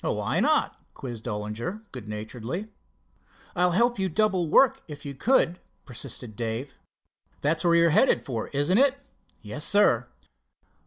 "Why not?" quizzed Dollinger, good naturedly. "I'll help you double work, if you could," persisted Dave. "That's where you're headed for, is it?" "Yes, sir."